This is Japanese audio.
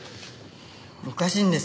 おかしいんです